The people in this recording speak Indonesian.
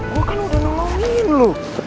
gue kan udah nolongin lo